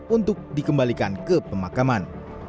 untuk dikembalikan ke pemakaman